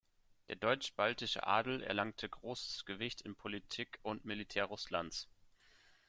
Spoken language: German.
Der deutsch-baltische Adel erlangte großes Gewicht in Politik und Militär Russlands.